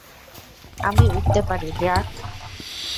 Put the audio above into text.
আমি উড়তে পারি, ড্রাক!